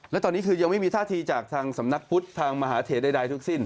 และตอนนี้คือยังไม่มีท่าทีจากทางสำนักพุทธทางมหาเทใดทั้งสิ้น